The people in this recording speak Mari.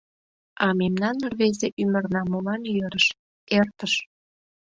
А мемнан рвезе ӱмырна молан йӧрыш — эртыш.